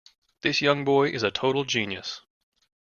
This young boy is a total genius.